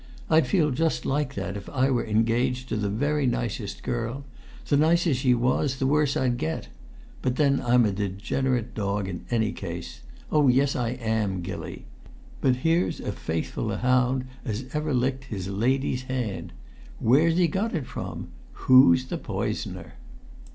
I'd feel just like that if I were engaged to the very nicest girl; the nicer she was, the worse I'd get; but then I'm a degenerate dog in any case. Oh, yes, I am, Gilly. But here's as faithful a hound as ever licked his lady's hand. Where's he got it from? Who's the poisoner?"